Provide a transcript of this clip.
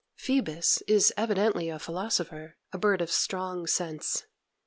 Phoebus is evidently a philosopher, a bird of strong sense.